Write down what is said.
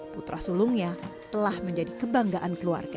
putra sulungnya telah menjadi kebanggaan keluarga